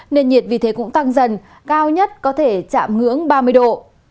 nền nhiệt vì thế cũng tăng dần cao nhất có thể chạm ngưỡng ba mươi độ